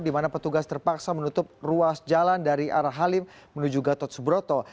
di mana petugas terpaksa menutup ruas jalan dari arah halim menuju gatot subroto